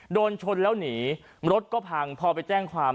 โดนชนแล้วหนีรถก็พังพอไปแจ้งความ